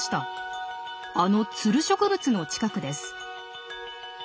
あのツル植物の近くです。